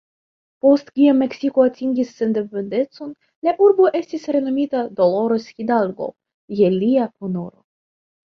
Post kiam Meksiko atingis sendependecon, la urbo estis renomita "Dolores Hidalgo" je lia honoro.